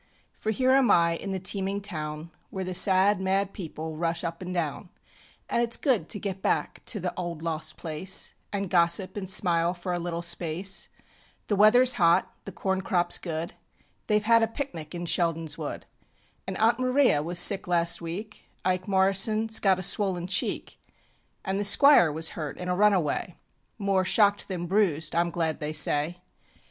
For here am I in the teeming town, Where the sad, mad people rush up and down, And itŌĆÖs good to get back to the old lost place, And gossip and smile for a little space. The weather is hot; the corn cropŌĆÖs good; TheyŌĆÖve had a picnic in SheldonŌĆÖs Wood. And Aunt Maria was sick last week; Ike MorrisonŌĆÖs got a swollen cheek, And the Squire was hurt in a runaway More shocked than bruised, IŌĆÖm glad they say.